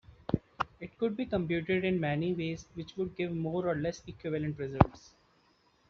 It could be computed in many ways which would give more or less equivalent results.